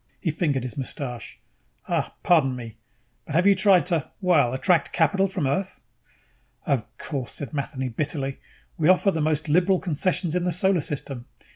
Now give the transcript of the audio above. He fingered his mustache. "Uh, pardon me, but have you tried to, well, attract capital from Earth?" "Of course," said Matheny bitterly. "We offer the most liberal concessions in the Solar System.